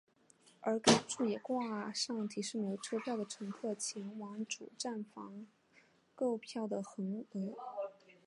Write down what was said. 而该处也挂上提示没有车票的乘客前往主站房购票的横额。